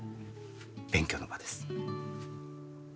勉強の場です。